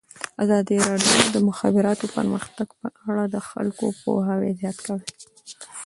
ازادي راډیو د د مخابراتو پرمختګ په اړه د خلکو پوهاوی زیات کړی.